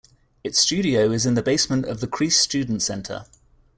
Its studio is in the basement of the Creese Student Center.